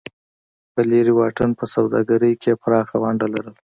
په لرې واټن په سوداګرۍ کې یې پراخه ونډه لرله.